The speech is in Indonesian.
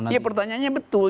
ya pertanyaannya betul